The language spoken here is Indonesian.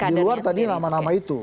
di luar tadi nama nama itu